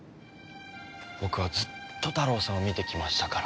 僕はずっとタロウさんを見てきましたから。